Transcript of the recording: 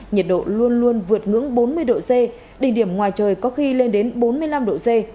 ngưỡng bốn mươi độ c định điểm ngoài trời có khi lên đến bốn mươi năm độ c